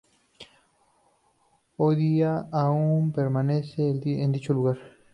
Hoy día aún permanece en dicho lugar.